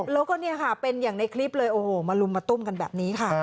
แล้วก็เนี่ยค่ะเป็นอย่างในคลิปเลยโอ้โหมาลุมมาตุ้มกันแบบนี้ค่ะ